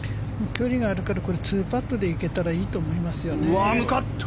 距離があるから２パットで行けたらいいと思います。